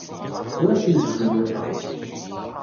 Ur asen-ttjewwiqeɣ.